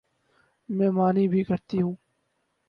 من مانی بھی کرتی ہوں۔